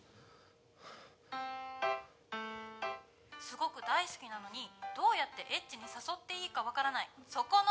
「すごく大好きなのにどうやってエッチに誘っていいかわからないそこのあなた！」